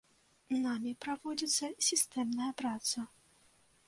Намі праводзіцца сістэмная праца.